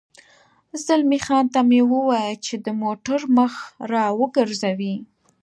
زلمی خان ته مې وویل چې د موټر مخ را وګرځوي.